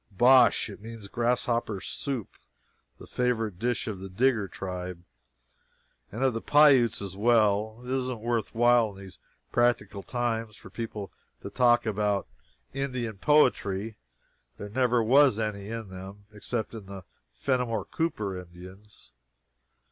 Bosh. It means grasshopper soup, the favorite dish of the Digger tribe, and of the Pi utes as well. It isn't worth while, in these practical times, for people to talk about Indian poetry there never was any in them except in the Fenimore Cooper Indians.